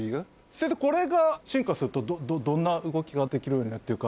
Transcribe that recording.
先生これが進化するとどんな動きができるようになるっていうか。